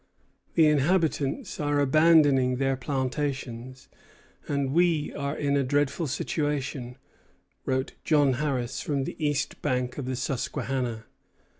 "The inhabitants are abandoning their plantations, and we are in a dreadful situation," wrote John Harris from the east bank of the Susquehanna.